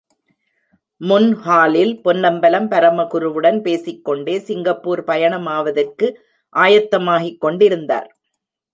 முன்ஹாலில் பொன்னம்பலம், பரமகுருவுடன் பேசிககொண்டே சிங்கப்பூர் பயணமாவதற்கு ஆயத்தமாகிக் கொண்டிருந்தார்.